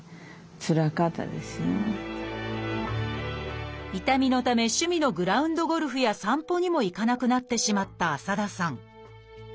もう本当に痛みのため趣味のグラウンドゴルフや散歩にも行かなくなってしまった浅田さん。